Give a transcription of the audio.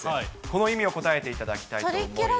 この意味を答えていただきたいと思います。